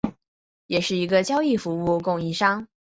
也是一个交易服务供应商。